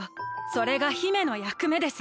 それが姫のやくめです。